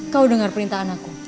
kau dengar perintah anakku